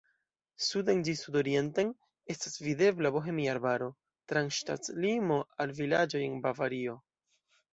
Suden ĝis sudorienten estas videbla Bohemia arbaro, trans ŝtatlimo al vilaĝoj en Bavario.